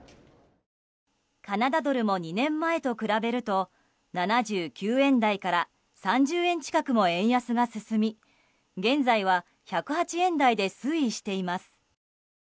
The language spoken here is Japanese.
カナダドルも２年前と比べると７９円台から３０円近くも円安が進み現在は１０８円台で推移しています。